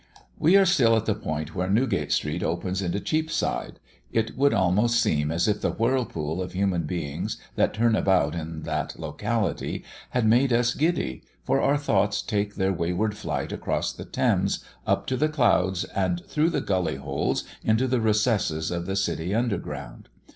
We are still at the point where Newgate street opens into Cheapside. It would almost seem as if the whirlpool of human beings that turn about in that locality, had made us giddy, for our thoughts took their wayward flight across the Thames, up to the clouds, and through the gully holes into the recesses of the city under ground.